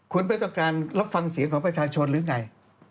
คุณไม่ต้องการรับฟังเสียงของประชาชนหรือไง